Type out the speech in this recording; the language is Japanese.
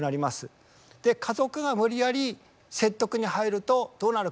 で家族が無理やり説得に入るとどうなるか。